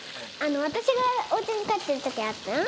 私がおうちに帰ってる時あったじゃん？